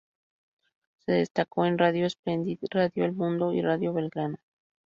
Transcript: Se destacó en Radio Splendid, Radio El Mundo y Radio Belgrano.